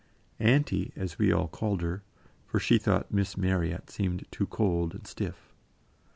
"Auntie" we all called her, for she thought "Miss Marryat" seemed too cold and stiff.